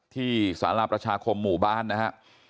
ที่สาราประชาคมหมู่บ้านนะฮะ